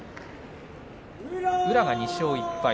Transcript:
宇良が２勝１敗。